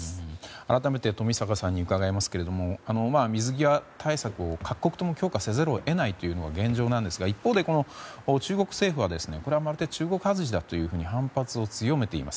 改めて冨坂さんに伺いますが水際対策を各国とも強化せざるを得ないのが現状なんですが一方で中国政府はこれはまるで中国外しだと反発を強めています。